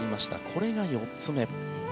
これが４つ目。